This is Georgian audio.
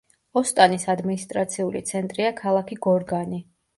ოსტანის ადმინისტრაციული ცენტრია ქალაქი გორგანი.